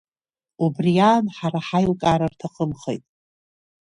Убри аан, ҳара ҳаилкаара рҭахымхеит.